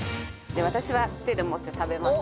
私は手で持って食べます。